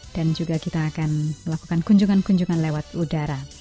dan juga kita akan melakukan kunjungan kunjungan lewat udara